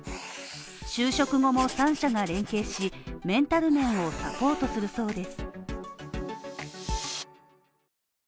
就職後も３社が連携し、メンタル面をサポートするそうです。